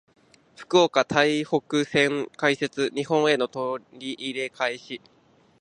福岡・台北線開設。日本への乗り入れ開始。